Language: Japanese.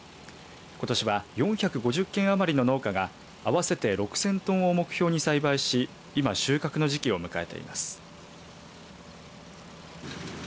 ことしは４５０軒余りの農家が合わせて６０００トンを目標に栽培し今、収穫の時期を迎えています。